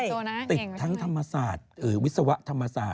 โอ๊ยสิทธิ์สิทธิ์ทั้งธรรมศาสตร์อื้อวิศวะธรรมศาสตร์